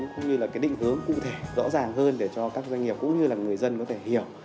cũng như định hướng cụ thể rõ ràng hơn để cho các doanh nghiệp cũng như người dân hiểu